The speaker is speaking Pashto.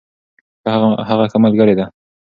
هغه ښه ملګرې ده.